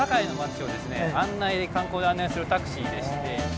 観光で案内するタクシーでして。